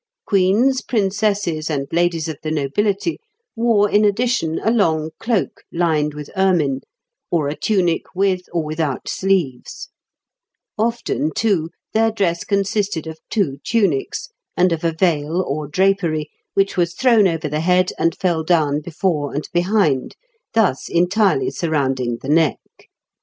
Queens, princesses, and ladies of the nobility wore in addition a long cloak lined with ermine, or a tunic with or without sleeves; often, too, their dress consisted of two tunics, and of a veil or drapery, which was thrown over the head and fell down before and behind, thus entirely surrounding the neck."